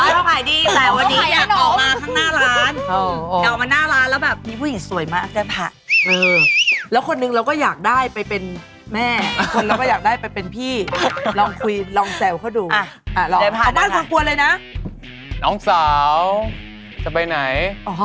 ใช่เราต้องหายดีแต่วันนี้อยากออกมาข้างหน้าร้าน